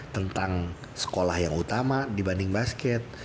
tentang sekolah yang utama dibanding basket